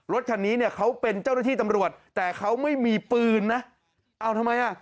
รถคันนี้เนี่ยเขาเป็นเจ้าหน้าที่ตำรวจแต่เขาไม่มีปืนนะเอาทำไมอ่ะ